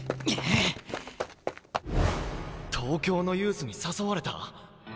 東京のユースに誘われた？